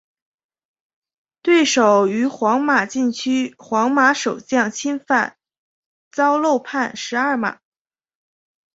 对手于皇马禁区皇马守将侵犯遭漏判十二码。